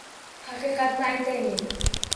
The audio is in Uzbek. Haqiqatni aytay men!